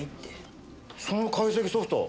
その解析ソフト